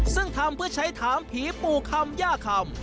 ซึ่งทำเพื่อใช้ถามผีปู่คำย่าคำ